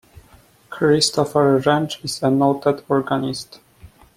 Christopher Wrench is a noted organist.